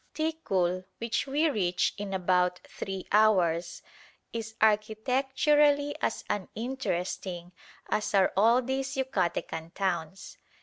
Ticul, which we reach in about three hours, is architecturally as uninteresting as are all these Yucatecan towns.